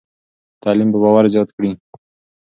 تعلیم به باور زیات کړي.